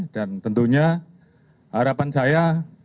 dan tentunya harapan saya